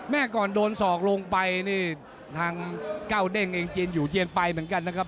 ก่อนโดนศอกลงไปนี่ทางก้าวเด้งเองเจียนอยู่เจียนไปเหมือนกันนะครับ